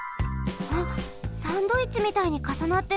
あっサンドイッチみたいにかさなってる。